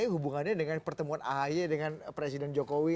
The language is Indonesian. hubungannya dengan pertemuan ahy dengan presiden jokowi